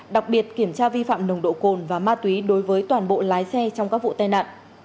đặc biệt kiểm tra vi phạm nồng độ cồn và ma túy đối với toàn bộ lái xe trong các vụ tai nạn